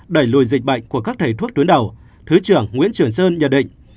đẩy lùi dịch bệnh của các thầy thuốc tuyến đầu thứ trưởng nguyễn truyền sơn nhờ định